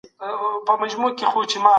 د پوهنې سیستم د یو هېواد بنسټ جوړوي.